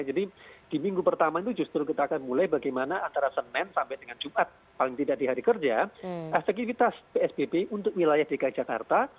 jadi di minggu pertama itu justru kita akan mulai bagaimana antara senin sampai dengan jumat paling tidak di hari kerja efektivitas psbb untuk wilayah dki jakarta